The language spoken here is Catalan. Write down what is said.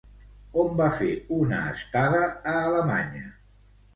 On va fer una estada a Alemanya?